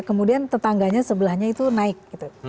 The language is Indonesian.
kemudian tetangganya sebelahnya itu naik gitu